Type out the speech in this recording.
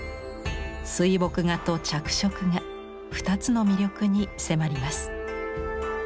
水墨画と着色画２つの魅力に迫ります。